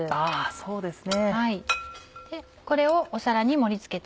そうですね。